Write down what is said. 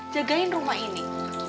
jagain rumah ini